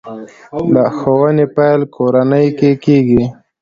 د ښوونې پیل کورنۍ کې کېږي.